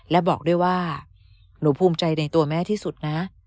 และบอกด้วยว่าหนูภูมิใจในตัวแม่ที่สุดนะ